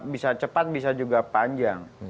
bisa cepat bisa juga panjang